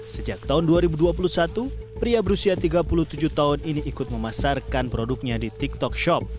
sejak tahun dua ribu dua puluh satu pria berusia tiga puluh tujuh tahun ini ikut memasarkan produknya di tiktok shop